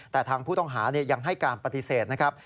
แต่ทางผู้ต้องหายังให้การปฏิเสธนะครับ